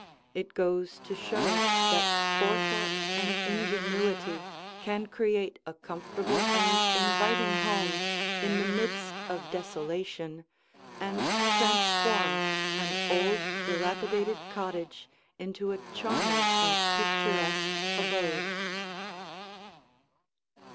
It goes to show that forethought and ingenuity can create a comfortable and inviting home in the midst of desolation, and transform an old dilapidated cottage into a charming and picturesque abode.